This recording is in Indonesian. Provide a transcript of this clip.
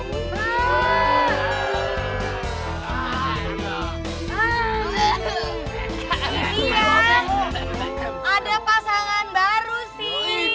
bang iya ada pasangan baru sih